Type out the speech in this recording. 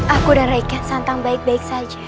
aku dan raden kian santang baik baik saja